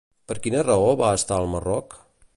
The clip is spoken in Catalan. Per quina raó va estar al Marroc?